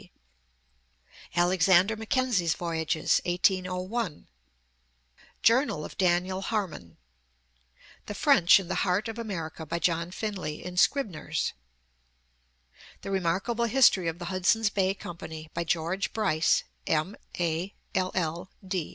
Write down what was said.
D. ; Alexander Mackenzie's Voyages, 1801; Journal of Daniel Harmon; The French in the Heart of America, by John Finley, in Scribner 's ; The Remarkable History of the Hudson's Bay Company, by George Bryce, M. A., LL.